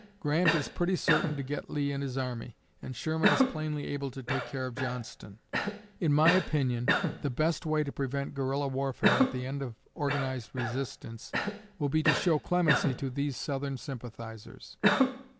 Grant is pretty certain to get Lee and his army, and Sherman is plainly able to take care of Johnston. In my opinion the best way to prevent guerilla warfare at the end of organized resistance will be to show clemency to these Southern sympathizers.'